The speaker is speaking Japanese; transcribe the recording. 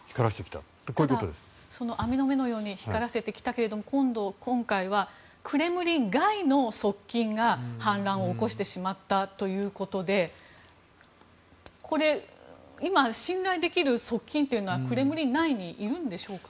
ただ、網の目のように光らせてきたけども今回はクレムリン外の側近が反乱を起こしてしまったということで今、信頼できる側近というのはクレムリン内にいるんでしょうか。